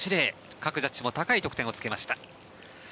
各ジャッジも高い得点をつけました。